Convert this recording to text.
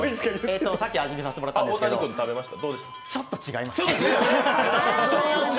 さっき味見してもらったんですけど、ちょっと違いました。